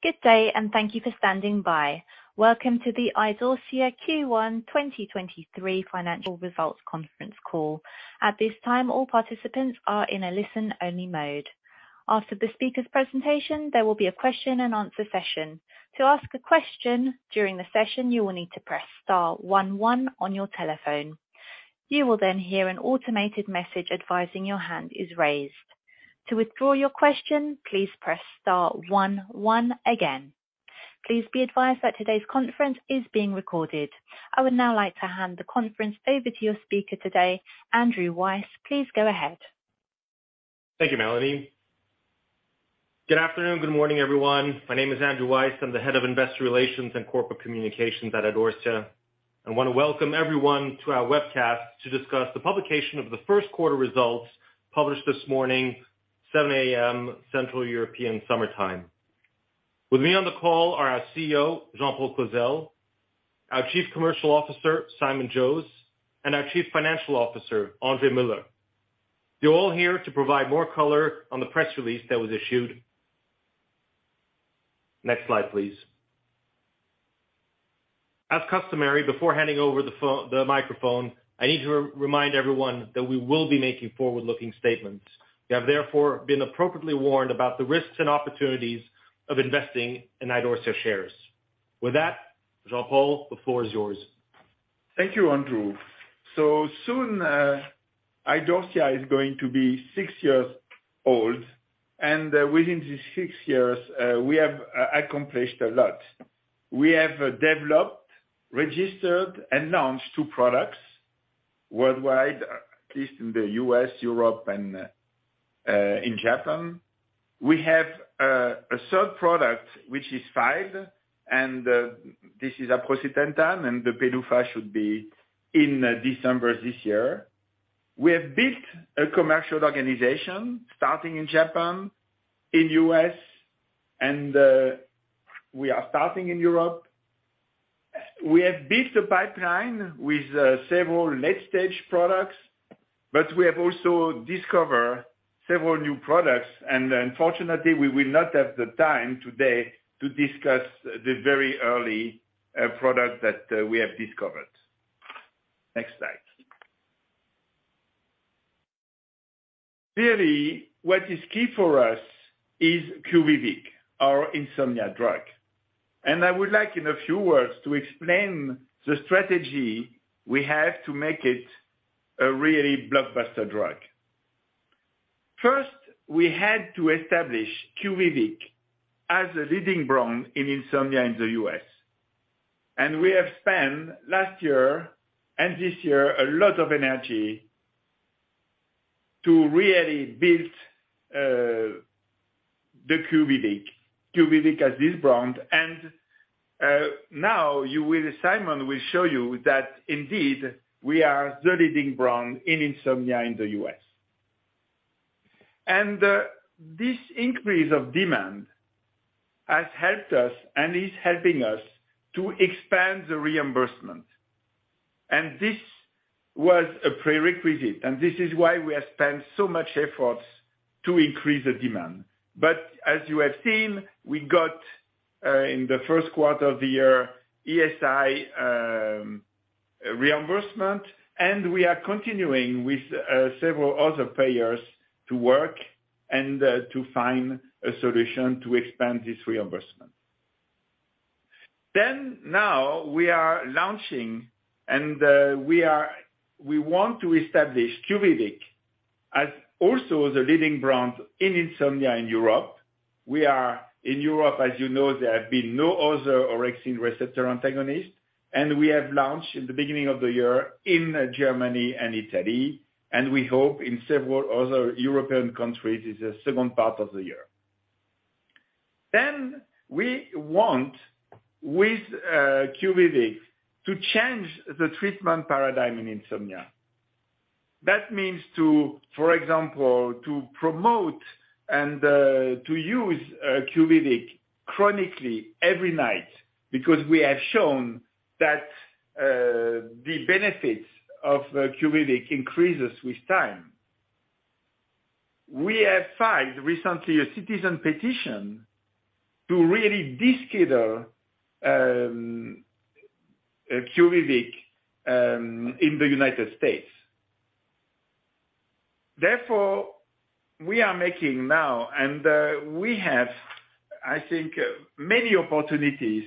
Good day, and thank you for standing by. Welcome to the Idorsia Q1 2023 Financial Results Conference Call. At this time, all participants are in a listen-only mode. After the speaker's presentation, there will be a question-and-answer session. To ask a question during the session, you will need to press star one one on your telephone. You will then hear an automated message advising your hand is raised. To withdraw your question, please press star one one again. Please be advised that today's conference is being recorded. I would now like to hand the conference over to your speaker today, Andrew Weiss. Please go ahead. Thank you, Melanie. Good afternoon, good morning, everyone. My name is Andrew Weiss, I'm the Head of Investor Relations and Corporate Communications at Idorsia. I want to welcome everyone to our webcast to discuss the publication of the first quarter results published this morning, 7:00 A.M. Central European Summer Time. With me on the call are our CEO, Jean-Paul Clozel, our Chief Commercial Officer, Simon Jose, and our Chief Financial Officer, André Muller. They're all here to provide more color on the press release that was issued. Next slide, please. As customary, before handing over the microphone, I need to remind everyone that we will be making forward-looking statements. You have therefore been appropriately warned about the risks and opportunities of investing in Idorsia shares. With that, Jean-Paul, the floor is yours. Thank you, Andrew. Soon, Idorsia is going to be six years old, and within these six years, we have accomplished a lot. We have developed, registered, and launched two products worldwide, at least in the U.S., Europe, and in Japan. We have a third product which is filed, and this is aprocitentan, the PDUFA should be in December this year. We have built a commercial organization starting in Japan, in U.S., and we are starting in Europe. We have built a pipeline with several late-stage products, but we have also discover several new products, unfortunately, we will not have the time today to discuss the very early product that we have discovered. Next slide. Really, what is key for us is QUVIVIQ, our insomnia drug. I would like, in a few words, to explain the strategy we have to make it a really blockbuster drug. First, we had to establish QUVIVIQ as a leading brand in insomnia in the U.S. We have spent, last year and this year, a lot of energy to really build the QUVIVIQ as this brand. Now you will… Simon will show you that indeed we are the leading brand in insomnia in the U.S. This increase of demand has helped us and is helping us to expand the reimbursement. This was a prerequisite, and this is why we have spent so much efforts to increase the demand. As you have seen, we got in the first quarter of the year, Express Scripts reimbursement, we are continuing with several other payers to work and to find a solution to expand this reimbursement. Now we are launching, we want to establish QUVIVIQ as also the leading brand in insomnia in Europe. In Europe, as you know, there have been no other orexin receptor antagonist, we have launched in the beginning of the year in Germany and Italy, we hope in several other European countries in the second part of the year. We want, with QUVIVIQ, to change the treatment paradigm in insomnia. That means to, for example, to promote and to use QUVIVIQ chronically every night because we have shown that the benefits of QUVIVIQ increases with time. We have filed recently a citizen petition to really de-schedule QUVIVIQ in the United States. We are making now and we have, I think, many opportunities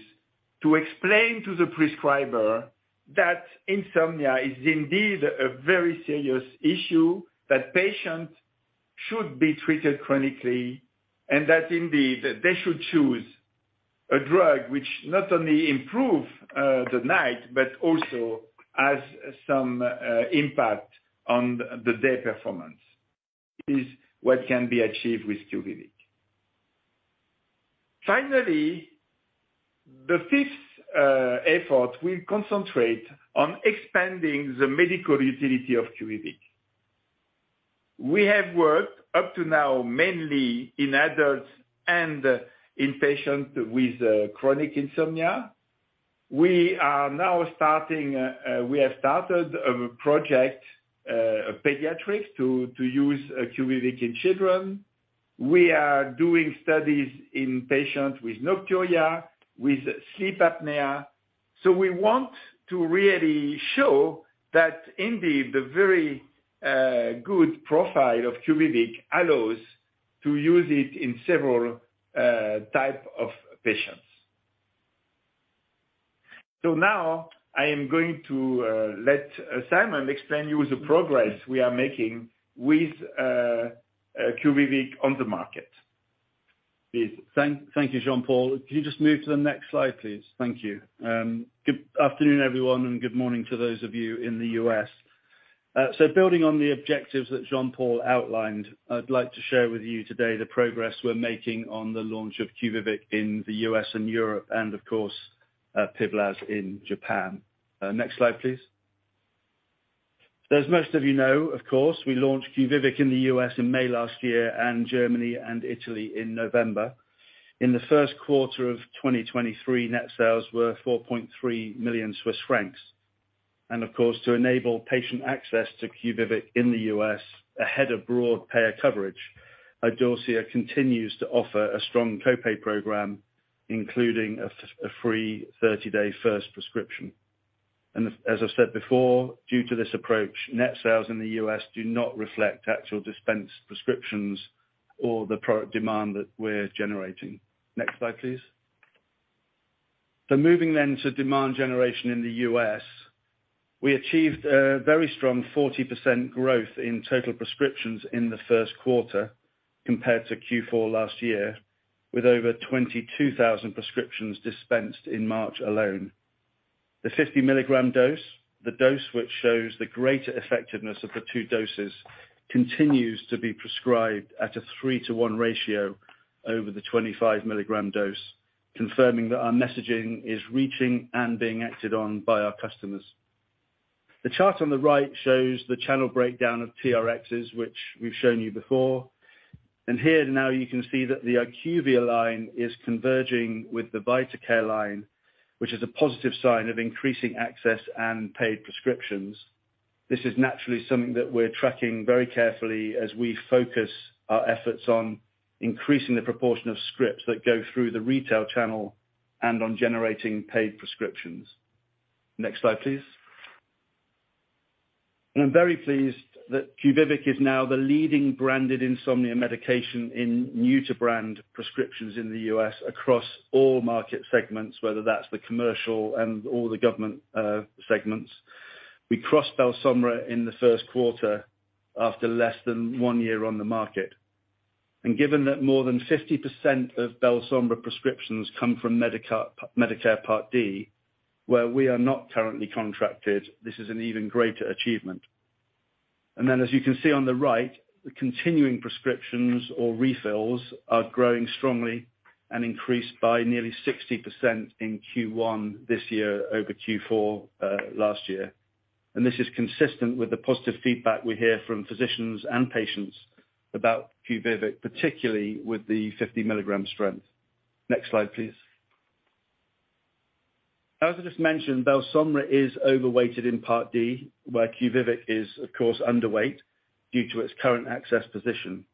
to explain to the prescriber that insomnia is indeed a very serious issue, that patient should be treated chronically, and that indeed they should choose a drug which not only improve the night, but also has some impact on the day performance is what can be achieved with QUVIVIQ. The fifth effort will concentrate on expanding the medical utility of QUVIVIQ. We have worked up to now mainly in adults and in patients with chronic insomnia. We have started a project pediatrics to use QUVIVIQ in children. We are doing studies in patients with nocturia, with sleep apnea. we want to really show that indeed, the very good profile of QUVIVIQ allows to use it in several type of patients. now I am going to let Simon explain you the progress we are making with QUVIVIQ on the market. Yes. Thank you, Jean-Paul. Can you just move to the next slide, please? Thank you. Good afternoon, everyone, and good morning to those of you in the U.S. Building on the objectives that Jean-Paul outlined, I'd like to share with you today the progress we're making on the launch of QUVIVIQ in the U.S. and Europe and of course, PIVLAZ in Japan. Next slide, please. As most of you know, of course, we launched QUVIVIQ in the U.S. in May last year and Germany and Italy in November. In the first quarter of 2023, net sales were 4.3 million Swiss francs. Of course, to enable patient access to QUVIVIQ in the U.S. ahead of broad payer coverage, Idorsia continues to offer a strong co-pay program, including a free 30-day first prescription. As I said before, due to this approach, net sales in the U.S. do not reflect actual dispensed prescriptions or the product demand that we're generating. Next slide, please. Moving then to demand generation in the U.S., we achieved a very strong 40% growth in total prescriptions in the first quarter compared to Q4 last year, with over 22,000 prescriptions dispensed in March alone. The 50 mg dose, the dose which shows the greater effectiveness of the two doses, continues to be prescribed at a 3:1 ratio over the 25 mg dose, confirming that our messaging is reaching and being acted on by our customers. The chart on the right shows the channel breakdown of TRXs, which we've shown you before. Here now you can see that the IQVIA line is converging with the VitaCare line, which is a positive sign of increasing access and paid prescriptions. This is naturally something that we're tracking very carefully as we focus our efforts on increasing the proportion of scripts that go through the retail channel and on generating paid prescriptions. Next slide, please. I'm very pleased that QUVIVIQ is now the leading branded insomnia medication in new-to-brand prescriptions in the U.S. across all market segments, whether that's the commercial and all the government segments. We crossed Belsomra in the first quarter after less than one year on the market. Given that more than 50% of Belsomra prescriptions come from Medicare Part D, where we are not currently contracted, this is an even greater achievement. As you can see on the right, the continuing prescriptions or refills are growing strongly and increased by nearly 60% in Q1 this year over Q4 last year. This is consistent with the positive feedback we hear from physicians and patients about QUVIVIQ, particularly with the 50 mg strength. Next slide, please. As I just mentioned, Belsomra is overweighted in Part D, where QUVIVIQ is, of course, underweight due to its current access position.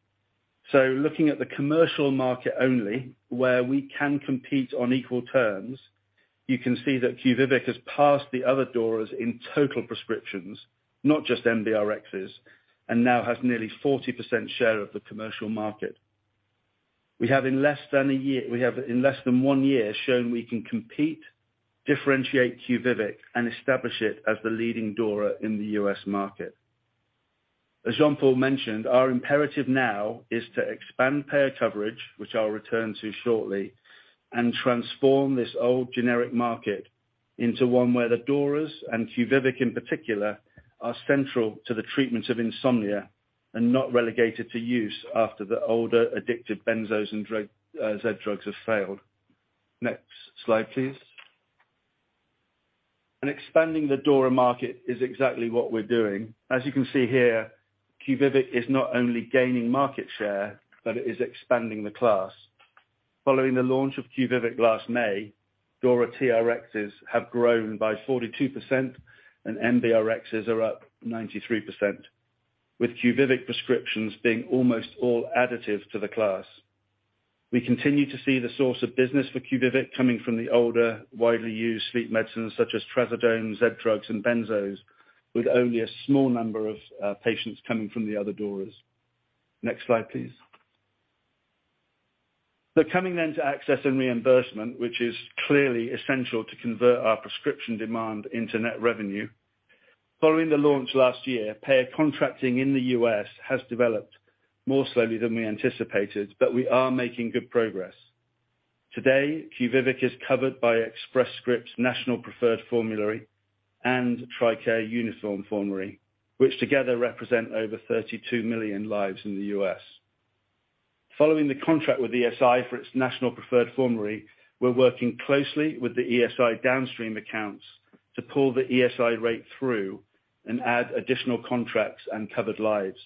Looking at the commercial market only, where we can compete on equal terms, you can see that QUVIVIQ has passed the other DORAs in total prescriptions, not just NBRx, and now has nearly 40% share of the commercial market. We have in less than 1 year shown we can compete, differentiate QUVIVIQ, and establish it as the leading DORA in the U.S. market. As Jean-Paul mentioned, our imperative now is to expand payer coverage, which I'll return to shortly, and transform this old generic market into one where the DORAs, and QUVIVIQ in particular, are central to the treatment of insomnia and not relegated to use after the older addictive benzodiazepines and Z-drugs have failed. Next slide, please. Expanding the DORA market is exactly what we're doing. As you can see here, QUVIVIQ is not only gaining market share, but it is expanding the class. Following the launch of QUVIVIQ last May, DORA TRXs have grown by 42% and NBRx are up 93%, with QUVIVIQ prescriptions being almost all additive to the class. We continue to see the source of business for QUVIVIQ coming from the older, widely used sleep medicines such as Trazodone, Z-drugs, and benzodiazepines, with only a small number of patients coming from the other DORAs. Next slide, please. Coming then to access and reimbursement, which is clearly essential to convert our prescription demand into net revenue. Following the launch last year, payer contracting in the U.S. has developed more slowly than we anticipated, but we are making good progress. Today, QUVIVIQ is covered by Express Scripts' National Preferred Formulary and TRICARE Uniform Formulary, which together represent over 32 million lives in the U.S. Following the contract with ESI for its National Preferred Formulary, we're working closely with the ESI downstream accounts to pull the ESI rate through and add additional contracts and covered lives.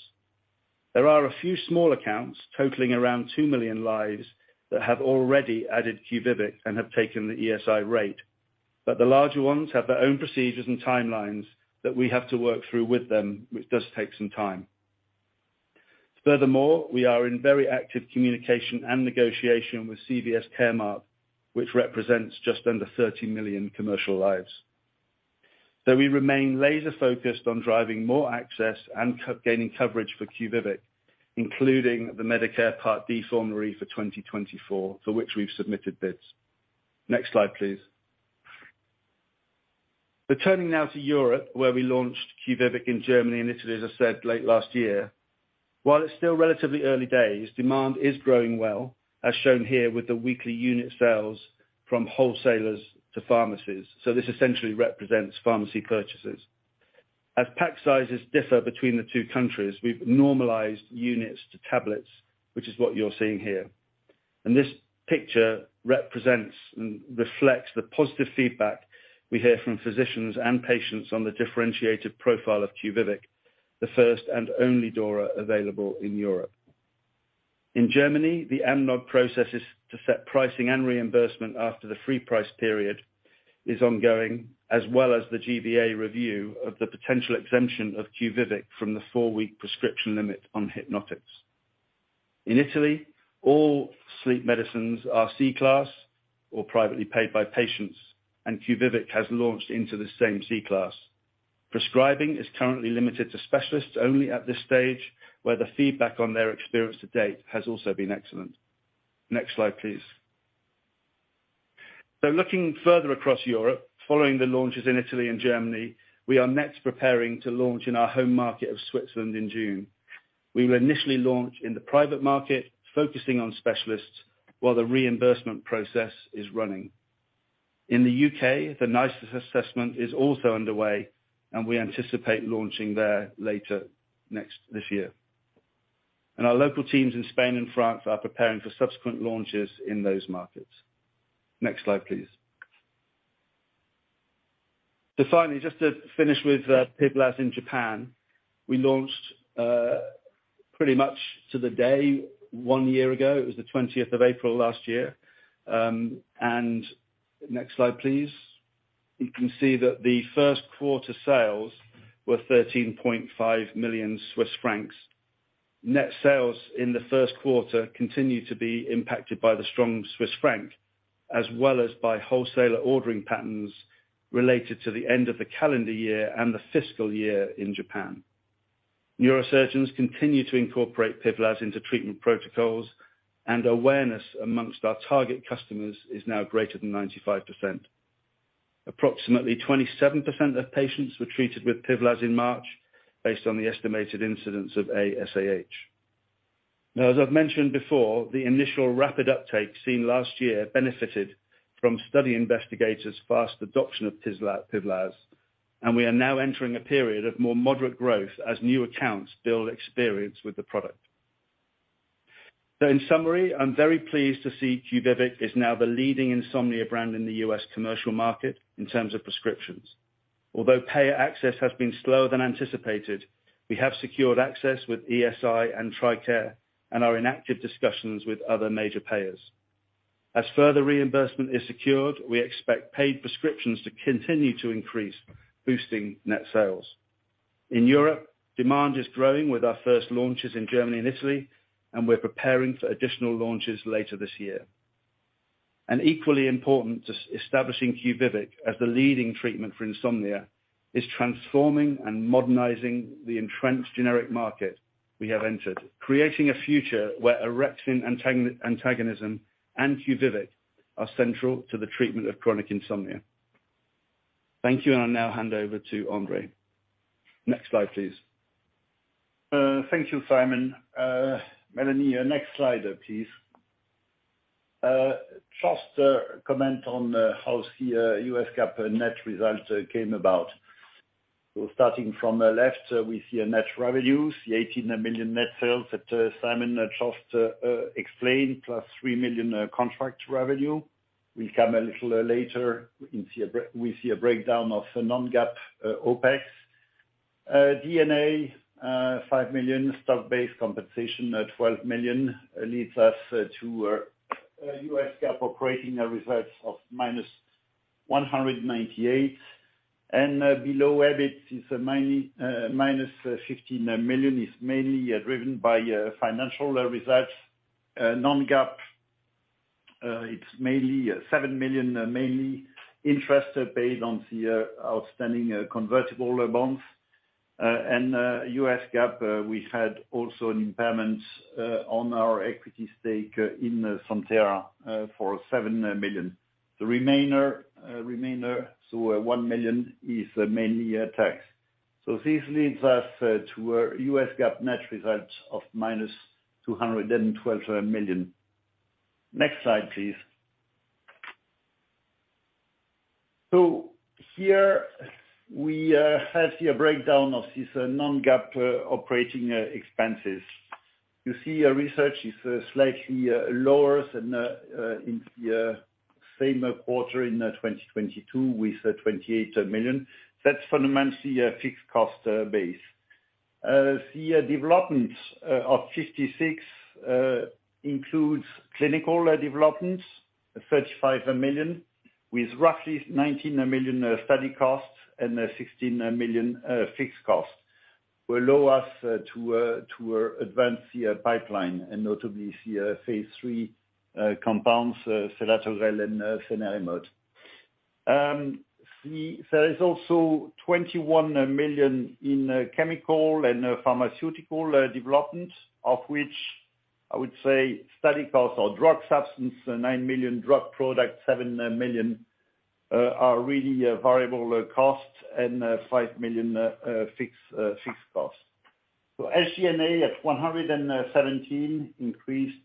There are a few small accounts totaling around 2 million lives that have already added QUVIVIQ and have taken the ESI rate, but the larger ones have their own procedures and timelines that we have to work through with them, which does take some time. Furthermore, we are in very active communication and negotiation with CVS Caremark, which represents just under 30 million commercial lives. We remain laser-focused on driving more access and co- gaining coverage for QUVIVIQ, including the Medicare Part D formulary for 2024, for which we've submitted bids. Next slide, please. Turning now to Europe, where we launched QUVIVIQ in Germany and Italy, as I said, late last year. While it's still relatively early days, demand is growing well, as shown here with the weekly unit sales from wholesalers to pharmacies. This essentially represents pharmacy purchases. As pack sizes differ between the two countries, we've normalized units to tablets, which is what you're seeing here. This picture represents and reflects the positive feedback we hear from physicians and patients on the differentiated profile of QUVIVIQ, the first and only DORA available in Europe. In Germany, the AMNOG process is to set pricing and reimbursement after the free price period is ongoing, as well as the G-BA review of the potential exemption of QUVIVIQ from the four-week prescription limit on hypnotics. In Italy, all sleep medicines are C-class or privately paid by patients, and QUVIVIQ has launched into the same C-class. Prescribing is currently limited to specialists only at this stage, where the feedback on their experience to date has also been excellent. Next slide, please. Looking further across Europe, following the launches in Italy and Germany, we are next preparing to launch in our home market of Switzerland in June. We will initially launch in the private market, focusing on specialists while the reimbursement process is running. In the U.K., the NICE assessment is also underway, and we anticipate launching there later this year. Our local teams in Spain and France are preparing for subsequent launches in those markets. Next slide, please. Finally, just to finish with PIVLAZ in Japan, we launched pretty much to the day one year ago. It was the 20th of April last year. Next slide, please. You can see that the first quarter sales were 13.5 million Swiss francs. Net sales in the first quarter continue to be impacted by the strong Swiss franc, as well as by wholesaler ordering patterns related to the end of the calendar year and the fiscal year in Japan. Neurosurgeons continue to incorporate PIVLAZ into treatment protocols, and awareness amongst our target customers is now greater than 95%. Approximately 27% of patients were treated with PIVLAZ in March based on the estimated incidence of ASAH. As I've mentioned before, the initial rapid uptake seen last year benefited from study investigators' fast adoption of PIVLAZ, and we are now entering a period of more moderate growth as new accounts build experience with the product. In summary, I'm very pleased to see QUVIVIQ is now the leading insomnia brand in the U.S. commercial market in terms of prescriptions. Although payer access has been slower than anticipated, we have secured access with ESI and TRICARE and are in active discussions with other major payers. As further reimbursement is secured, we expect paid prescriptions to continue to increase, boosting net sales. In Europe, demand is growing with our first launches in Germany and Italy, and we're preparing for additional launches later this year. And equally important to establishing QUVIVIQ as the leading treatment for insomnia is transforming and modernizing the entrenched generic market we have entered, creating a future where orexin antagonism and QUVIVIQ are central to the treatment of chronic insomnia. Thank you, and I'll now hand over to André. Next slide, please. Thank you, Simon. Melanie, next slide, please. Just a comment on how the U.S. GAAP net result came about. Starting from the left, we see a net revenues, 18 million net sales that Simon just explained, +3 million contract revenue. We come a little later, we see a breakdown of non-GAAP OpEx. D&A, 5 million, stock-based compensation, 12 million leads us to a U.S. GAAP operating results of minus 198 million. Below EBIT is mainly minus 15 million is mainly driven by financial results. Non-GAAP, it's mainly 7 million, mainly interest paid on the outstanding convertible bonds. U.S. GAAP, we had also an impairment on our equity stake in Santhera for 7 million. The remainder, so 1 million, is mainly tax. This leads us to a U.S. GAAP net result of minus 212 million. Next slide, please. Here we have the breakdown of this non-GAAP operating expenses. You see our research is slightly lower than in the same quarter in 2022 with 28 million. That's fundamentally a fixed cost base. The development of 56 million includes clinical developments, 35 million with roughly 19 million study costs and 16 million fixed costs will allow us to advance the pipeline and notably the phase III compounds selatogrel and cenerimod. There is also 21 million in chemical and pharmaceutical development, of which I would say study costs or drug substance, 9 million drug products, 7 million are really variable costs and 5 million fixed costs. SG&A at 117 increased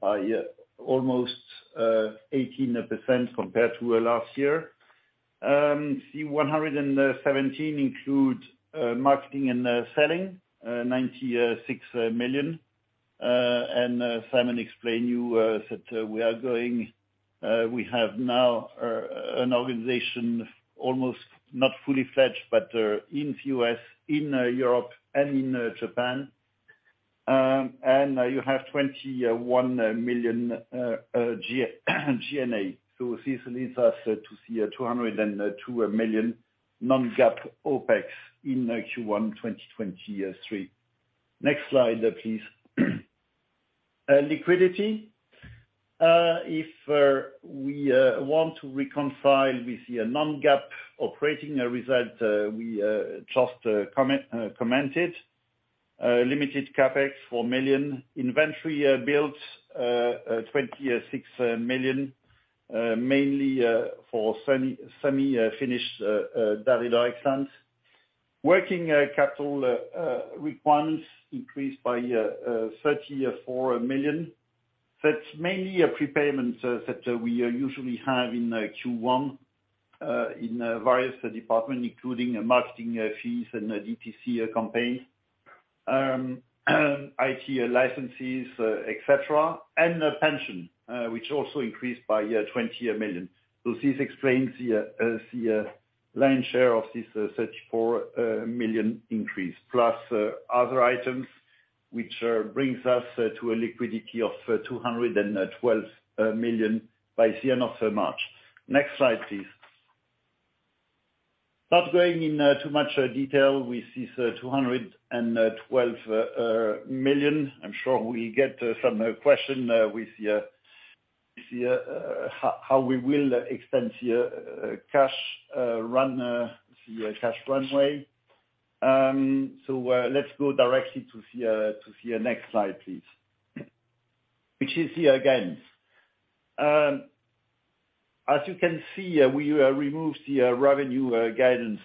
by almost 18% compared to last year. The 117 includes marketing and selling, 96 million. Simon explained you that we are going, we have now an organization almost not fully fledged, but in U.S., in Europe and in Japan. And you have 21 million G&A. This leads us to see 202 million non-GAAP OpEx in Q1 2023. Next slide, please. Liquidity. If we want to reconcile with the non-GAAP operating result, we just commented, limited CapEx, 4 million. Inventory built 26 million, mainly for semi-finished Daridorexant. Working capital requirements increased by 34 million. That's mainly a prepayment that we usually have in Q1, in various departments, including marketing fees and DTC campaigns, IT licenses, etc. The pension, which also increased by 20 million. This explains the lion's share of this 34 million increase, plus other items, which brings us to a liquidity of 212 million by the end of March. Next slide, please. Not going into too much detail with this 212 million. I'm sure we get some question with the how we will extend the cash runway. Let's go directly to see the next slide, please. Which is the guidance. As you can see, we removed the revenue guidance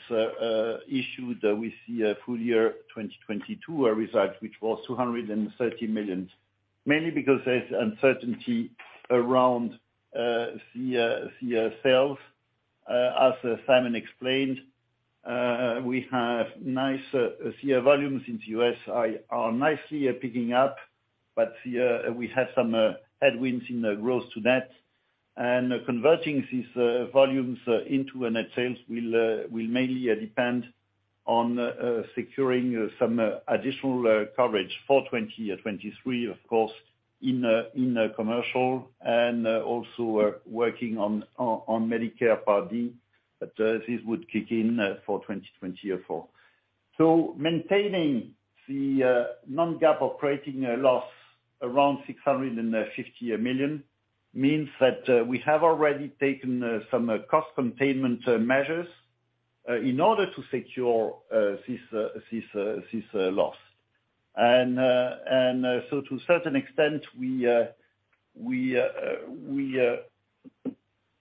issue that we see a full year 2022 result, which was 230 million, mainly because there's uncertainty around the sales. As Simon Jose explained, we have nice the volumes in the U.S. are nicely picking up, but we have some headwinds in the growth to that. Converting these volumes into a net sales will mainly depend on securing some additional coverage for 2020-2023, of course, in the commercial and also working on Medicare Part D. This would kick in for 2024. Maintaining the non-GAAP operating loss around 650 million means that we have already taken some cost containment measures in order to secure this loss. To a certain extent, we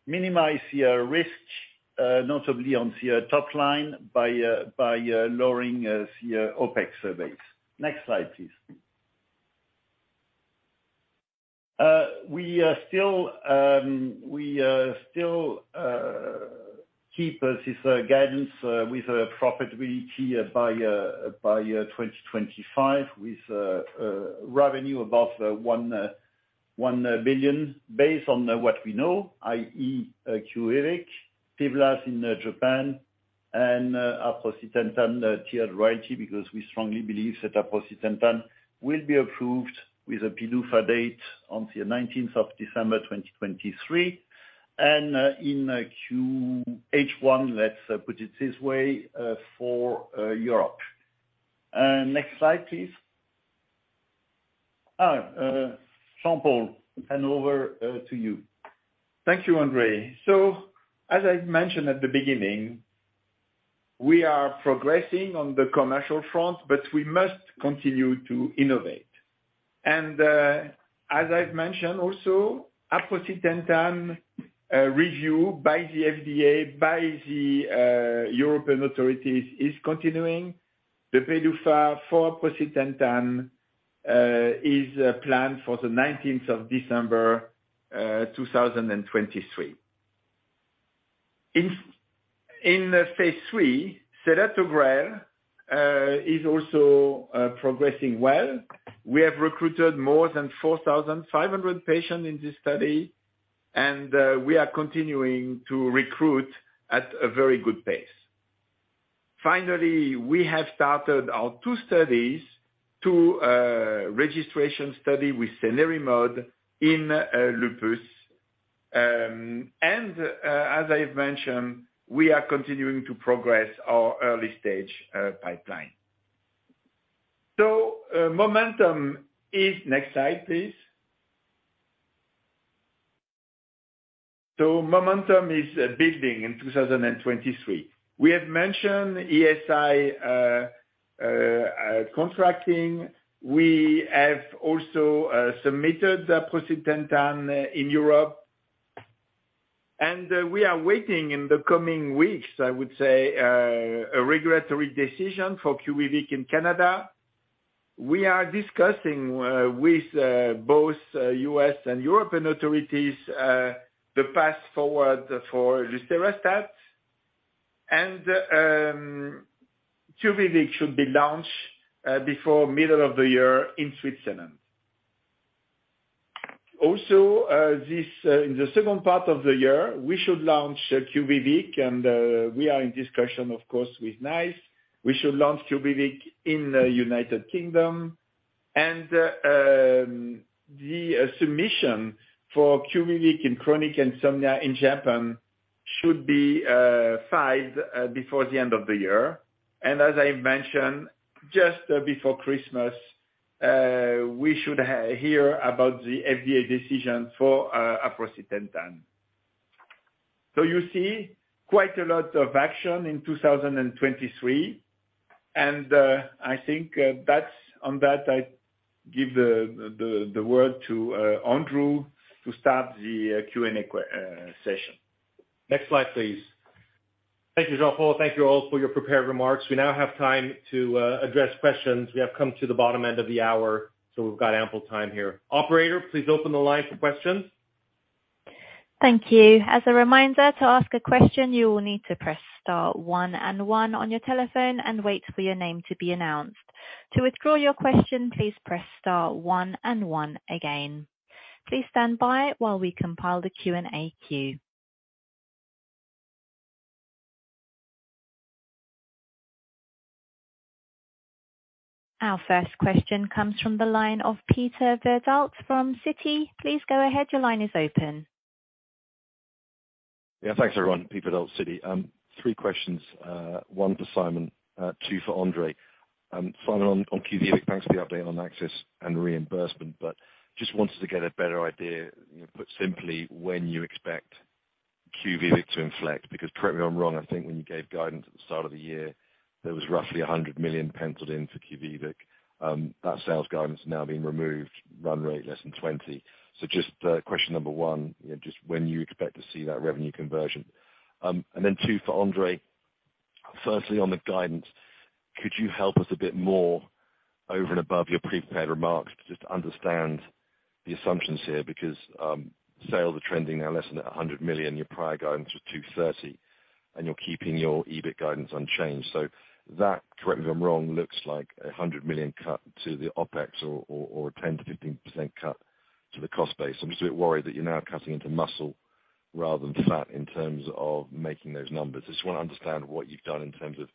minimize the risk notably on the top line by lowering the OpEx surveys. Next slide, please. We still keep this guidance with a profitability by 2025, with revenue above 1 billion based on what we know, i.e., QUVIVIQ, PIVLAZ in Japan, and aprocitentan TRYVIO, because we strongly believe that aprocitentan will be approved with a PDUFA date on the 19th of December 2023. In H1, let's put it this way, for Europe. Next slide, please. Jean-Paul, hand over to you. Thank you, André. As I mentioned at the beginning, we are progressing on the commercial front, but we must continue to innovate. As I've mentioned, also aprocitentan review by the FDA, by the European authorities, is continuing. The PDUFA for aprocitentan is planned for the 19th of December 2023. In phase III, selatogrel is also progressing well. We have recruited more than 4,500 patients in this study, and we are continuing to recruit at a very good pace. Finally, we have started our two studies to registration study with cenerimod in lupus. As I've mentioned, we are continuing to progress our early stage pipeline. Momentum is... Next slide, please. Momentum is building in 2023. We have mentioned ESI contracting. We have also submitted the aprocitentan in Europe. We are waiting in the coming weeks, I would say, a regulatory decision for QUVIVIQ in Canada. We are discussing with both U.S. and European authorities the path forward for lucerastat. QUVIVIQ should be launched before middle of the year in Switzerland. Also, this in the second part of the year, we should launch QUVIVIQ and we are in discussion of course with NICE. We should launch QUVIVIQ in the U.K. The submission for QUVIVIQ in chronic insomnia in Japan should be filed before the end of the year. As I mentioned, just before Christmas, we should hear about the FDA decision for aprocitentan. You see quite a lot of action in 2023, and I think that's on that I give the word to Andrew to start the Q&A session. Next slide, please. Thank you, Jean-Paul. Thank you all for your prepared remarks. We now have time to address questions. We have come to the bottom end of the hour, so we've got ample time here. Operator, please open the line for questions. Thank you. As a reminder, to ask a question, you will need to press star one and one on your telephone and wait for your name to be announced. To withdraw your question, please press star one and one again. Please stand by while we compile the Q&A queue. Our first question comes from the line of Peter Verdult from Citi. Please go ahead. Your line is open. Yeah. Thanks, everyone. Peter Verdult, Citi. Three questions. One for Simon, two for André. Finally on QUVIVIQ, thanks for the update on access and reimbursement, just wanted to get a better idea, you know, put simply when you expect QUVIVIQ to inflect, because correct me if I'm wrong, I think when you gave guidance at the start of the year, there was roughly 100 million penciled in for QUVIVIQ. That sales guidance has now been removed, run rate less than 20 million. Just question number one, you know, just when you expect to see that revenue conversion. Two for André. Firstly, on the guidance, could you help us a bit more over and above your prepared remarks to just understand the assumptions here? Sales are trending now less than 100 million, your prior guidance was 230 million, and you're keeping your EBIT guidance unchanged. That, correct me if I'm wrong, looks like a 100 million cut to the OpEx or a 10%-15% cut to the cost base. I'm just a bit worried that you're now cutting into muscle rather than fat in terms of making those numbers. I just wanna understand what you've done in terms of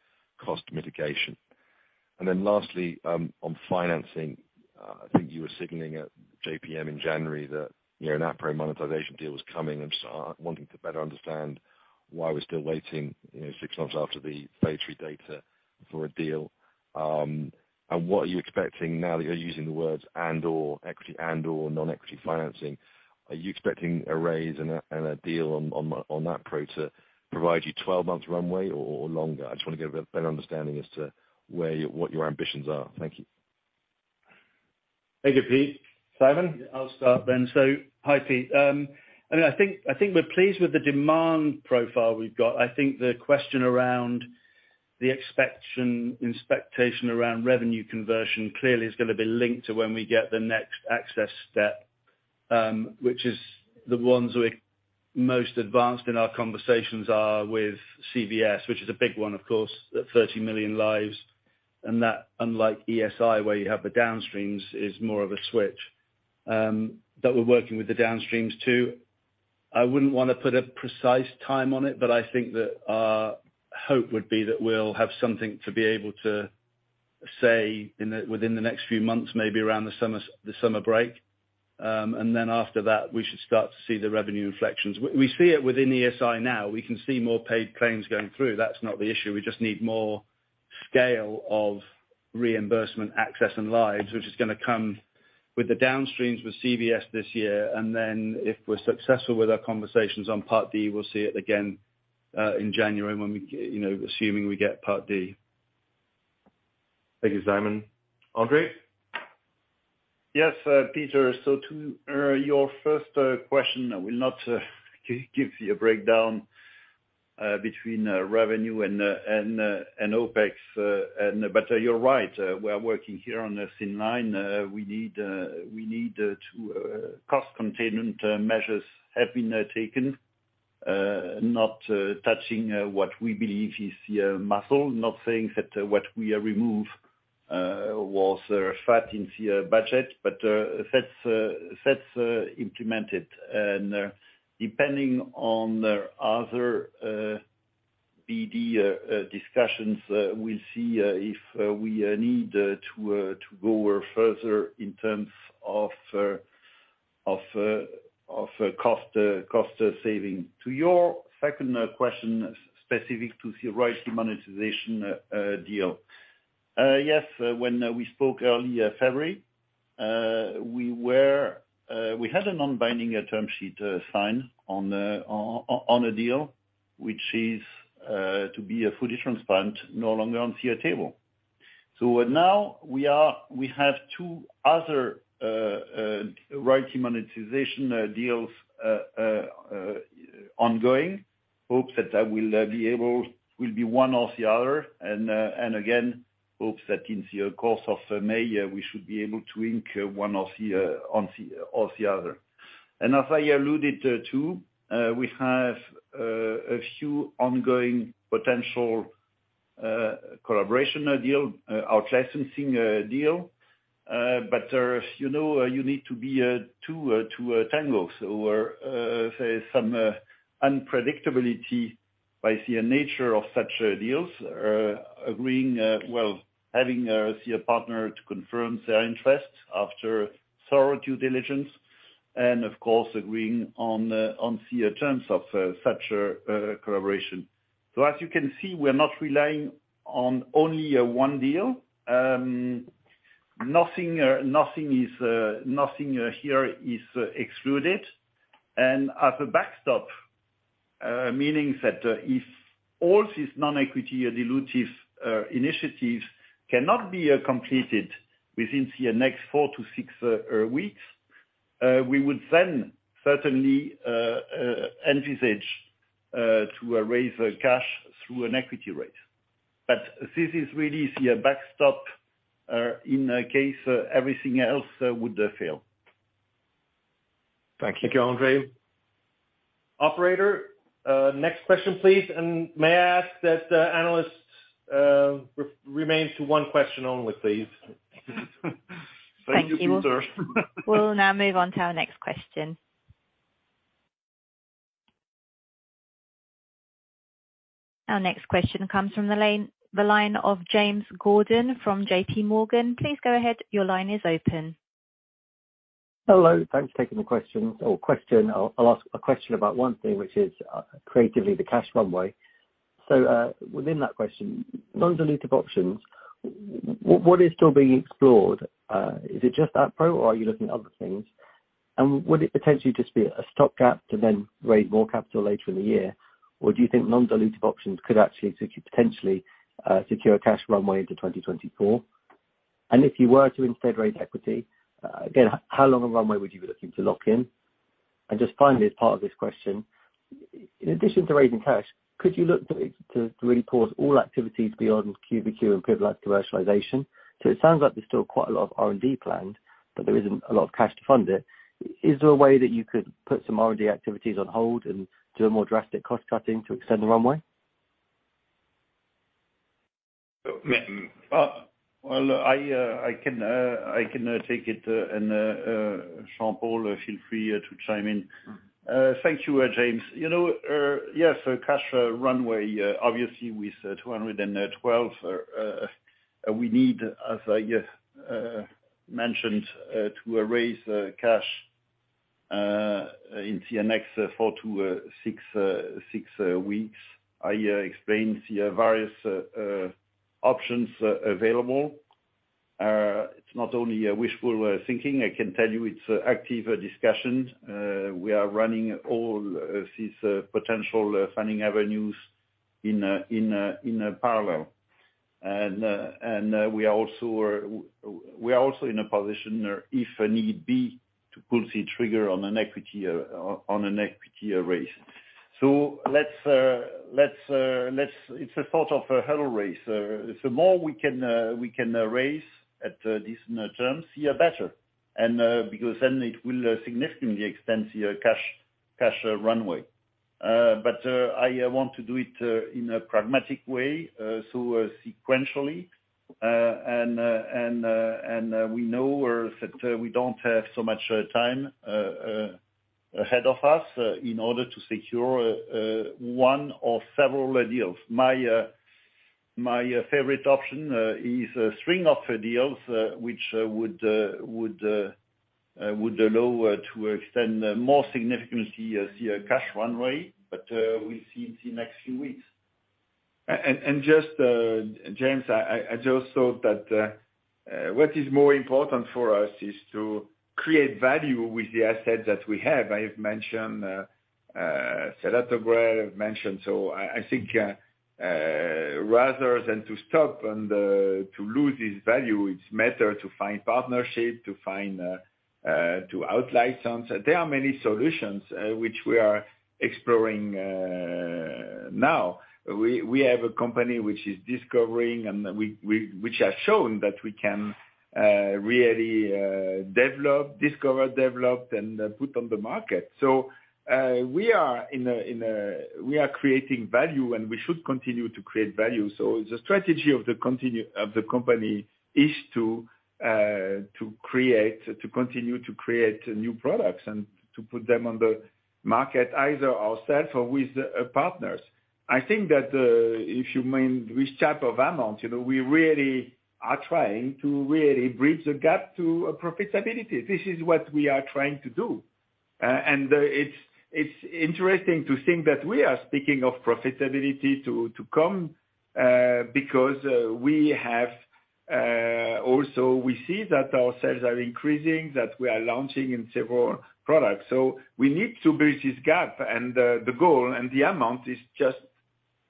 cost mitigation. Lastly, on financing, I think you were signaling at JPM in January that, you know, an APAC monetization deal was coming. I'm just wanting to better understand why we're still waiting, you know, six months after the phase III data for a deal. What are you expecting now that you're using the words and/or equity and/or non-equity financing, are you expecting a raise and a deal on APAC to provide you 12 months runway or longer? I just want to get a better understanding as to where, what your ambitions are. Thank you. Thank you, Pete. Simon? I'll start then. Hi, Peter Verdult. I mean, I think we're pleased with the demand profile we've got. I think the question around the expectation around revenue conversion clearly is going to be linked to when we get the next access step, which is the ones we're most advanced in our conversations are with CVS, which is a big one, of course, at 30 million lives. That, unlike ESI, where you have the downstreams, is more of a switch that we're working with the downstreams too. I wouldn't want to put a precise time on it, but I think that our hope would be that we'll have something to be able to say within the next few months, maybe around the summer, the summer break. After that, we should start to see the revenue inflections. We see it within ESI now. We can see more paid claims going through. That's not the issue. We just need more scale of reimbursement access and lives, which is gonna come with the downstreams with CVS this year. If we're successful with our conversations on Part D, we'll see it again, in January when we you know, assuming we get Part D. Thank you, Simon. André? Yes, Peter. To your first question, I will not give you a breakdown between revenue and OpEx. You're right. We're working here on the thin line. We need to cost containment measures have been taken. Not touching what we believe is the muscle. Not saying that what we remove was fat in the budget, inaudible implemented. Depending on the other BD discussions, we'll see if we need to go further in terms of cost saving. To your second question, specific to the royalty monetization deal. Yes, when we spoke early February, we had a non-binding term sheet signed on a deal which is to be a fully transplant no longer on the table. Now we have two other royalty monetization deals ongoing. Hope that I will be one or the other. Again, hopes that in the course of May, we should be able to ink one of the other. As I alluded to, we have a few ongoing potential collaboration deal, out-licensing deal. But, you know, you need to be two tangles or some unpredictability by the nature of such deals, agreeing, well, having the partner to confirm their interest after thorough due diligence and of course agreeing on the terms of such collaboration. As you can see, we're not relying on only one deal. Nothing, nothing is nothing here is excluded. As a backstop, meaning that if all these non-equity dilutive initiatives cannot be completed within the next four to six weeks, we would then certainly envisage to raise cash through an equity raise. This is really the backstop in the case everything else would fail. Thank you, André. Operator, next question, please. May I ask that, analysts, remains to one question only, please. Thank you, sir. Thank you. We'll now move on to our next question. Our next question comes from the line of James Gordon from JP Morgan. Please go ahead. Your line is open. Hello. Thanks for taking the question or question. I'll ask a question about one thing, which is creatively the cash runway. Within that question, non-dilutive options, what is still being explored? Is it just that pro or are you looking at other things? Would it potentially just be a stopgap to then raise more capital later in the year? Do you think non-dilutive options could actually potentially secure a cash runway into 2024? If you were to instead raise equity again, how long a runway would you be looking to lock in? Just finally, as part of this question, in addition to raising cash, could you look to really pause all activities beyond Q and pivotal commercialization? It sounds like there's still quite a lot of R&D planned, but there isn't a lot of cash to fund it. Is there a way that you could put some R&D activities on hold and do a more drastic cost cutting to extend the runway? Well, I can take it and Jean-Paul, feel free to chime in. Thank you, James. You know, yes, cash runway obviously with 212 million, we need, as I mentioned, to raise cash into the next four to six weeks. I explained the various options available. It's not only wishful thinking, I can tell you it's active discussions. We are running all these potential funding avenues in a parallel. We are also in a position if need be, to pull the trigger on an equity on an equity raise. It's a sort of a hurdle race. The more we can, we can raise at decent terms, the better. Because then it will significantly extend the cash runway. I want to do it in a pragmatic way. Sequentially, and we know that we don't have so much time ahead of us in order to secure one or several deals. My favorite option is a string of deals which would allow to extend more significantly the cash runway. We'll see in the next few weeks. Just, James, I just thought that, what is more important for us is to create value with the assets that we have. I've mentioned selatogrel. I think, rather than to stop and to lose this value, it's better to find partnership, to out-license. There are many solutions, which we are exploring. We have a company which is discovering and which has shown that we can really discover, develop, and put on the market. We are in a we are creating value, and we should continue to create value. The strategy of the of the company is to to continue to create new products and to put them on the market, either ourselves or with partners. I think that, if you mean which type of amounts, you know, we really are trying to really bridge the gap to profitability. This is what we are trying to do. Uh, and, uh, it's, it's interesting to think that we are speaking of profitability to, to come, uh, because, uh, we have, uh, also we see that our sales are increasing, that we are launching in several products. So we need to bridge this gap, and, uh, the goal and the amount is just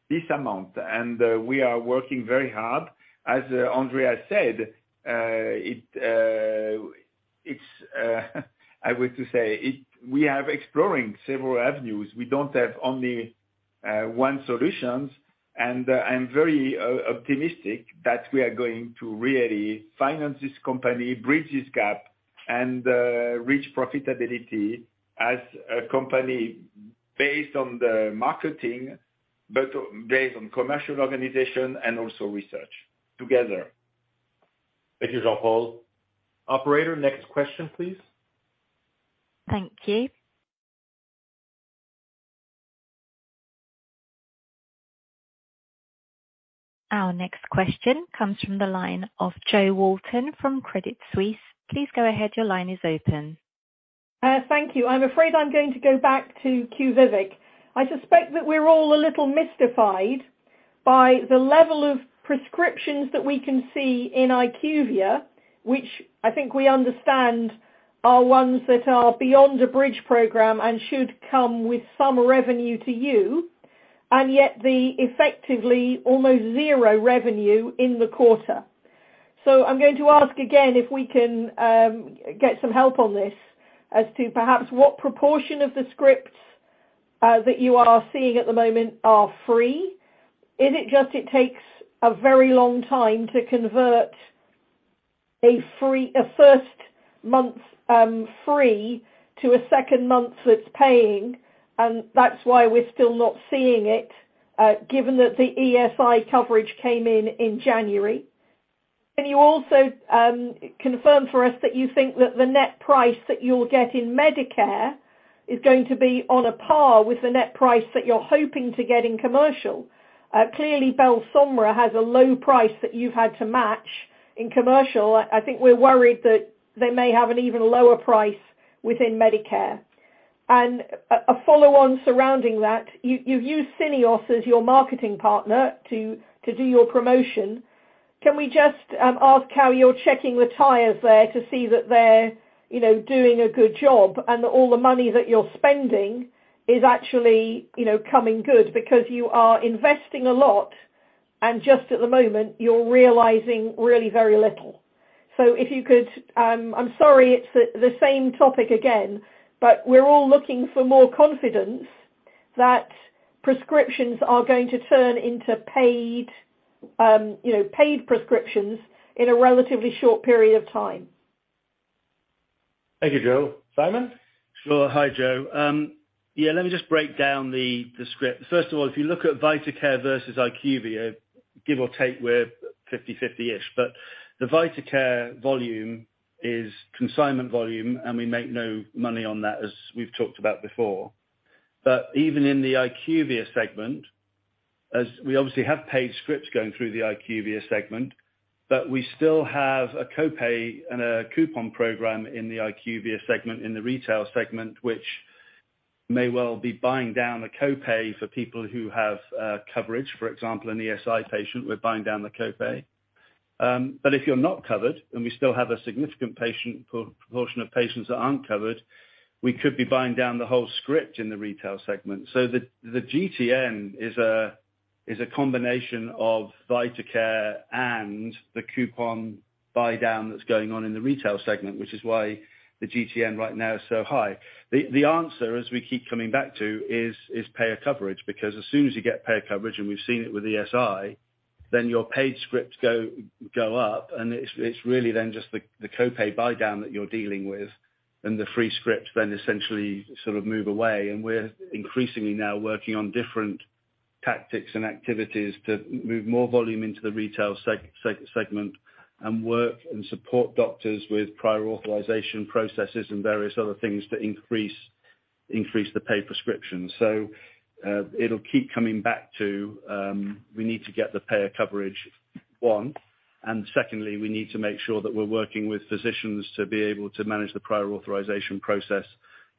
this amount. And, uh, we are working very hard. As, uh, André said, uh, it, uh, it's, uh, I would to say it-- we are exploring several avenues. We don't have only, uh, one solutions. And, uh, I'm very o-optimistic that we are going to really finance this company, bridge this gap, and, uh, reach profitability as a company based on the marketing, but based on commercial organization and also research together. Thank you, Jean-Paul. Operator, next question, please. Thank you. Our next question comes from the line of Jo Walton from Credit Suisse. Please go ahead. Your line is open. Thank you. I'm afraid I'm going to go back to QUVIVIQ. I suspect that we're all a little mystified by the level of prescriptions that we can see in IQVIA, which I think we understand are ones that are beyond a bridge program and should come with some revenue to you, and yet the effectively almost 0 revenue in the quarter. I'm going to ask again if we can get some help on this as to perhaps what proportion of the scripts that you are seeing at the moment are free? Is it just it takes a very long time to convert a first month, free to a second month that's paying, and that's why we're still not seeing it, given that the ESI coverage came in in January? Can you also confirm for us that you think that the net price that you'll get in Medicare is going to be on a par with the net price that you're hoping to get in commercial? Clearly, Belsomra has a low price that you've had to match in commercial. I think we're worried that they may have an even lower price within Medicare. A follow on surrounding that, you've used Syneos as your marketing partner to do your promotion. Can we just ask how you're checking the tires there to see that they're, you know, doing a good job and all the money that you're spending is actually, you know, coming good? You are investing a lot and just at the moment, you're realizing really very little. If you could... I'm sorry it's the same topic again, but we're all looking for more confidence that prescriptions are going to turn into paid, you know, paid prescriptions in a relatively short period of time. Thank you, Jo. Simon? Sure. Hi, Jo. Yeah, let me just break down the script. First of all, if you look at VitaCare versus IQVIA, give or take, we're 50/50-ish. The VitaCare volume is consignment volume, and we make no money on that, as we've talked about before. Even in the IQVIA segment, as we obviously have paid scripts going through the IQVIA segment, but we still have a co-pay and a coupon program in the IQVIA segment, in the retail segment, which may well be buying down a co-pay for people who have coverage. For example, an ESI patient, we're buying down the co-pay. If you're not covered, and we still have a significant proportion of patients that aren't covered, we could be buying down the whole script in the retail segment. The GTN is a combination of VitaCare and the coupon buy down that's going on in the retail segment, which is why the GTN right now is so high. The answer as we keep coming back to is payer coverage. As soon as you get payer coverage, and we've seen it with ESI, then your paid scripts go up and it's really then just the co-pay buy down that you're dealing with and the free scripts then essentially sort of move away. We're increasingly now working on different tactics and activities to move more volume into the retail segment and work and support doctors with prior authorization processes and various other things to increase the paid prescriptions. It'll keep coming back to, we need to get the payer coverage, one, and secondly, we need to make sure that we're working with physicians to be able to manage the prior authorization process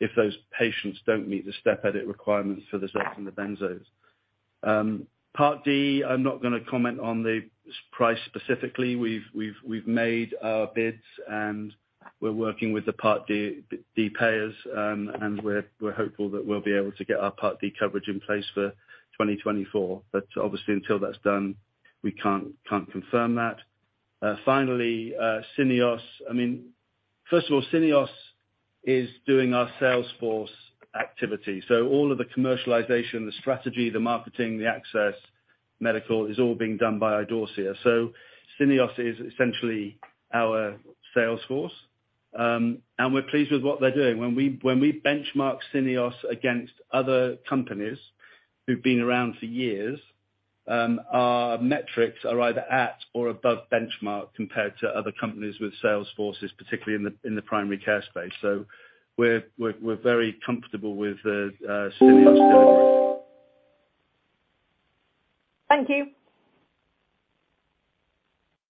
if those patients don't meet the step edit requirements for the Z-drugs and the benzodiazepines. Part D, I'm not gonna comment on the price specifically. We've made our bids, and we're working with the Part D payers, and we're hopeful that we'll be able to get our Part D coverage in place for 2024. Obviously until that's done, we can't confirm that. Finally, Syneos, I mean, first of all, Syneos Is doing our sales force activity. All of the commercialization, the strategy, the marketing, the access medical is all being done by Idorsia. Syneos is essentially our sales force. We're pleased with what they're doing. When we benchmark Syneos against other companies who've been around for years, our metrics are either at or above benchmark compared to other companies with sales forces, particularly in the primary care space. We're very comfortable with the Syneos deliverance. Thank you.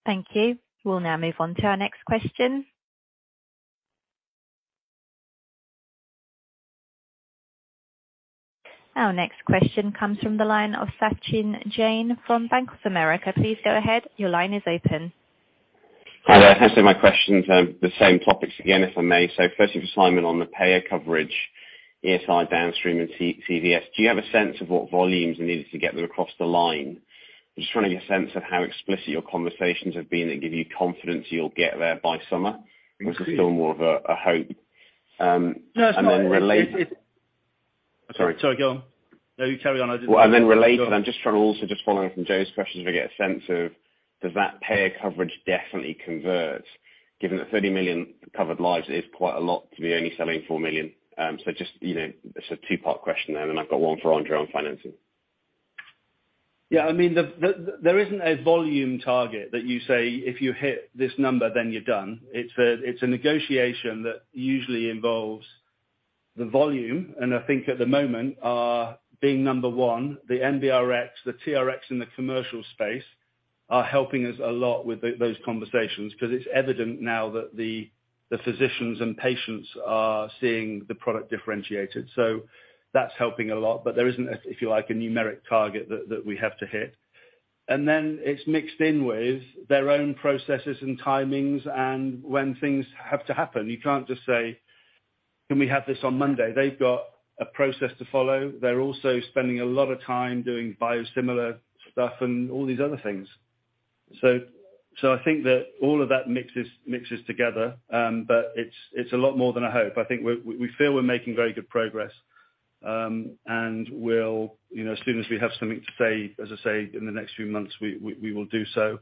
Thank you. We'll now move on to our next question. Our next question comes from the line of Sachin Jain from Bank of America. Please go ahead. Your line is open. Hi there. Thanks for my questions. Firstly for Simon on the payer coverage, ESI downstream and CVS. Do you have a sense of what volumes are needed to get them across the line? I'm just trying to get a sense of how explicit your conversations have been that give you confidence you'll get there by summer. Or is it still more of a hope? No. related- It's, it's- Sorry. Sorry. Go on. No, you carry on. Related, I'm just trying to also just following up from Jo's questions, if I get a sense of does that payer coverage definitely convert given that 30 million covered lives is quite a lot to be only selling 4 million? Just, you know, it's a two part question there, and then I've got one for André on financing. Yeah, I mean, there isn't a volume target that you say if you hit this number, then you're done. It's a negotiation that usually involves the volume. I think at the moment, our being number one, the NBRx, the TRx in the commercial space are helping us a lot with those conversations 'cause it's evident now that the physicians and patients are seeing the product differentiated. That's helping a lot, but there isn't, if you like, a numeric target that we have to hit. Then it's mixed in with their own processes and timings and when things have to happen. You can't just say, "Can we have this on Monday?" They've got a process to follow. They're also spending a lot of time doing biosimilar stuff and all these other things. I think that all of that mixes together, but it's a lot more than a hope. I think we feel we're making very good progress, and we'll, you know, as soon as we have something to say, as I say, in the next few months, we will do so.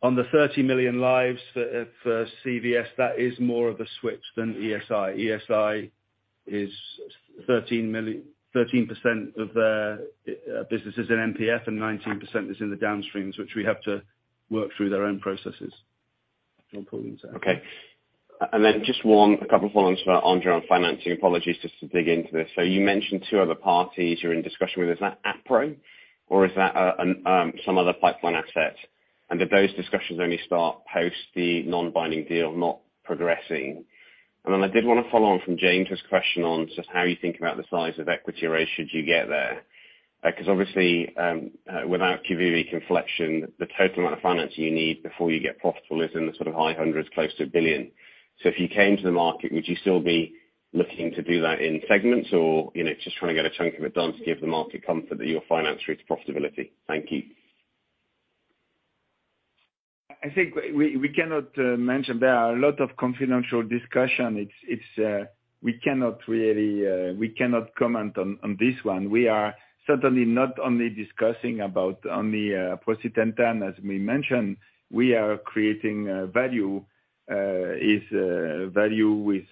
On the 30 million lives for CVS, that is more of a switch than ESI. ESI is 13% of their business is in MPF and 19% is in the downstreams, which we have to work through their own processes. Okay. just one, a couple follow-ons for André on financing. Apologies just to dig into this. You mentioned two other parties you're in discussion with. Is that TRYVIO or is that some other pipeline asset? Did those discussions only start post the non-binding deal not progressing? I did wanna follow on from Jane's question on just how you think about the size of equity raise should you get there. 'cause obviously, without QUVIVIQ inflection, the total amount of financing you need before you get profitable is in the sort of high hundreds, close to $1 billion. If you came to the market, would you still be looking to do that in segments or, you know, just trying to get a chunk of it done to give the market comfort that you'll finance through to profitability? Thank you. I think we cannot mention. There are a lot of confidential discussion. It's, we cannot really comment on this one. We are certainly not only discussing about only aprocitentan, as we mentioned. We are creating value is value with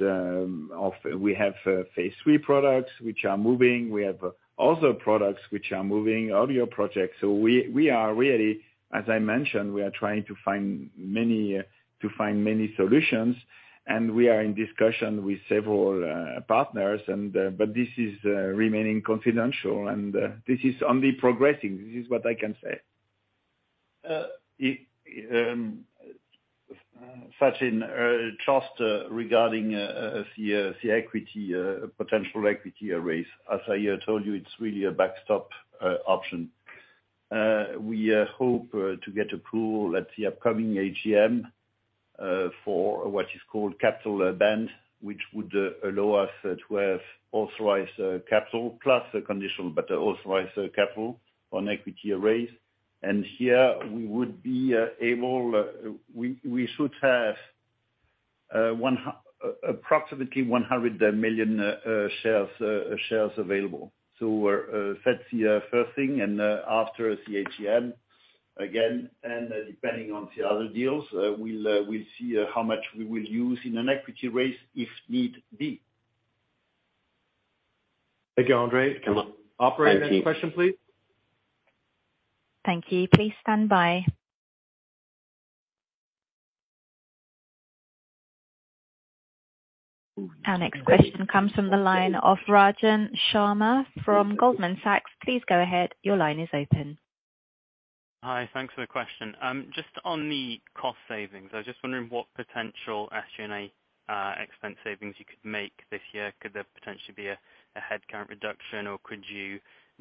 of... We have phase III products which are moving. We have also products which are moving, all your projects. We are really, as I mentioned, we are trying to find many to find many solutions, and we are in discussion with several partners. This is remaining confidential, and this is only progressing. This is what I can say. Sachin, just regarding the equity, potential equity raise. As I told you, it's really a backstop option. We hope to get approved at the upcoming AGM for what is called capital band, which would allow us to have authorized capital plus a conditional but authorized capital on equity raise. Here we would be able, we should have approximately 100 million shares available. That's the first thing. After the AGM, again, depending on the other deals, we'll see how much we will use in an equity raise if need be. Thank you, André. Thank you. Operator, next question, please. Thank you. Please stand by. Our next question comes from the line of Rajan Sharma from Goldman Sachs. Please go ahead. Your line is open. Hi. Thanks for the question. Just on the cost savings, I was just wondering what potential SG&A expense savings you could make this year. Could there potentially be a headcount reduction, or could you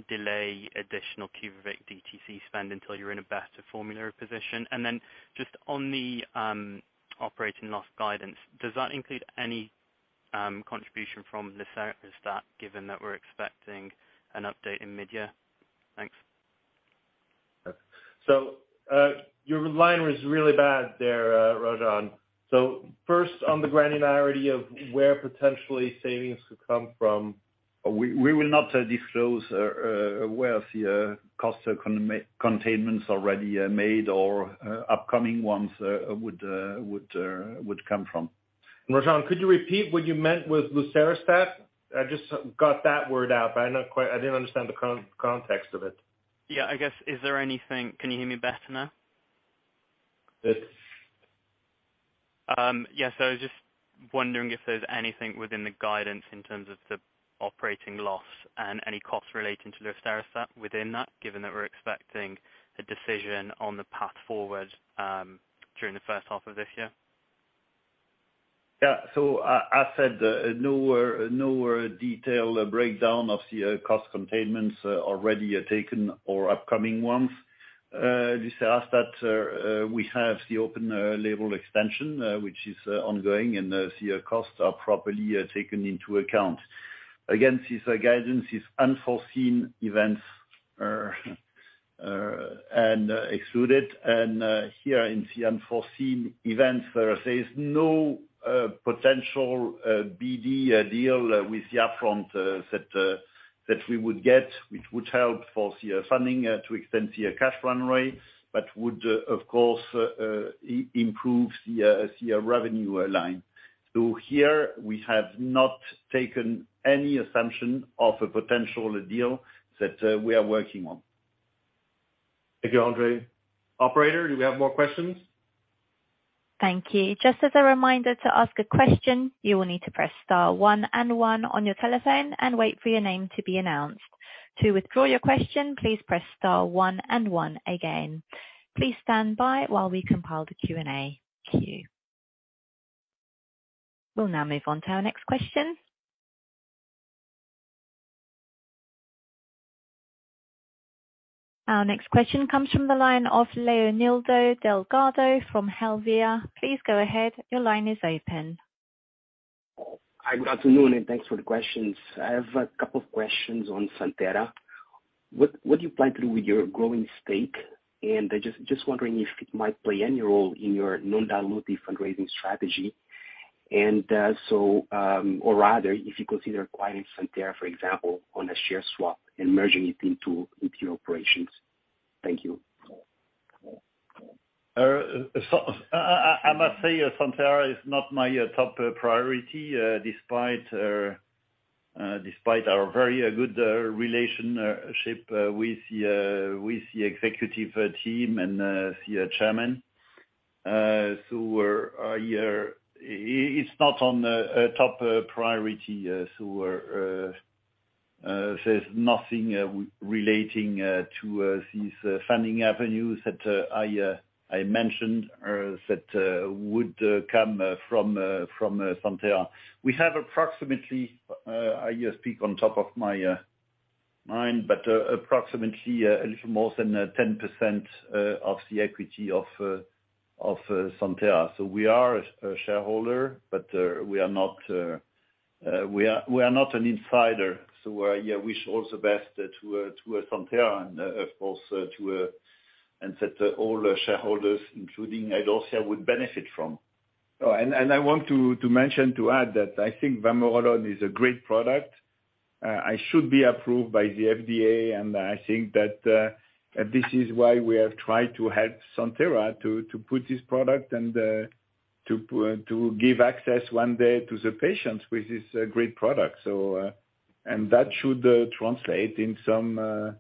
delay additional QUVIVIQ DTC spend until you're in a better formulary position? Just on the operating loss guidance, does that include any contribution from lucerastat, given that we're expecting an update in mid-year? Thanks. Your line was really bad there, Rajan. First on the granularity of where potentially savings could come from. We will not disclose where the cost containments already made or upcoming ones would come from. Rajan, could you repeat what you meant with lucerastat? I just got that word out, but I didn't understand the context of it. Yeah. I guess, can you hear me better now? Yes. I was just wondering if there's anything within the guidance in terms of the operating loss and any costs relating to lucerastat within that, given that we're expecting a decision on the path forward during the first half of this year. Yeah. I said, no detailed breakdown of the cost containments already taken or upcoming ones. lucerastat, we have the open label extension which is ongoing, and the costs are properly taken into account. Again, this guidance is unforeseen events and excluded. Here in the unforeseen events where there is no potential BD deal with the upfront that we would get, which would help for the funding to extend the cash burn rate, but would, of course, improve the revenue line. Here we have not taken any assumption of a potential deal that we are working on. Thank you, André. Operator, do we have more questions? Thank you. Just as a reminder, to ask a question, you will need to press star one and one on your telephone and wait for your name to be announced. To withdraw your question, please press star one and one again. Please stand by while we compile the Q&A queue. We'll now move on to our next question. Our next question comes from the line of Leonildo Delgado from Helvea. Please go ahead. Your line is open. Hi, good afternoon, and thanks for the questions. I have a couple of questions on Santhera. What do you plan to do with your growing stake? Just wondering if it might play any role in your non-dilutive fundraising strategy. or rather, if you consider acquiring Santhera, for example, on a share swap and merging it into your operations. Thank you. I must say, Santhera is not my top priority, despite our very good relationship with the executive team and the chairman. We're yeah, it's not on the top priority. We're there's nothing relating to these funding avenues that I mentioned that would come from Santhera. We have approximately I just speak on top of my mind, but approximately a little more than 10% of the equity of Santhera. We are a shareholder, but we are not an insider. We, yeah, wish all the best to Santhera and, of course, to and that all the shareholders, including Idorsia, would benefit from. And I want to mention, to add that I think vamorolone is a great product. It should be approved by the FDA, and I think that this is why we have tried to help Santhera to put this product and to give access one day to the patients with this great product. That should translate in some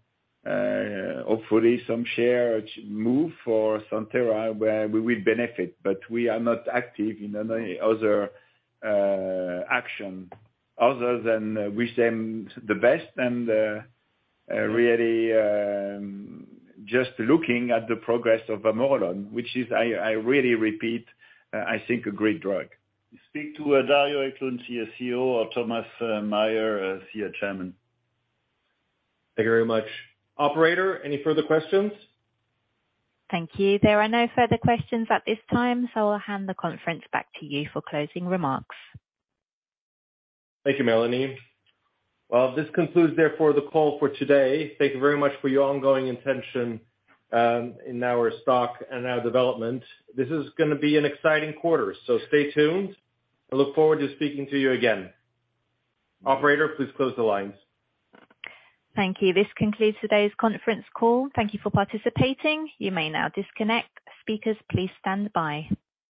hopefully some share move for Santhera, where we will benefit, but we are not active in any other action other than wish them the best and really just looking at the progress of vamorolone, which is, I really repeat, I think a great drug. Speak to Jean-Paul Clozel, the CEO, or Mathieu Simon, the Chairman. Thank you very much. Operator, any further questions? Thank you. There are no further questions at this time, so I'll hand the conference back to you for closing remarks. Thank you, Melanie. Well, this concludes therefore the call for today. Thank you very much for your ongoing intention in our stock and our development. This is gonna be an exciting quarter. Stay tuned. I look forward to speaking to you again. Operator, please close the lines. Thank you. This concludes today's conference call. Thank you for participating. You may now disconnect. Speakers, please stand by.